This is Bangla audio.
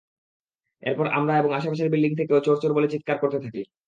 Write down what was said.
এরপর আমরা এবং আশপাশের বিল্ডিং থেকেও চোর চোর বলে চিৎকার করতে থাকি।